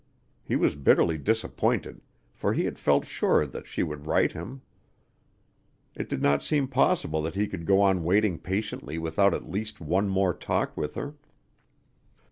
He was bitterly disappointed for he had felt sure that she would write him. It did not seem possible that he could go on waiting patiently without at least one more talk with her.